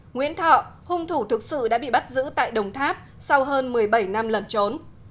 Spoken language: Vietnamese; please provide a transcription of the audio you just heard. nguyễn thọ hung thủ thực sự đã bị bắt giữ tại đồng tháp sau hơn một mươi bảy năm lần trốn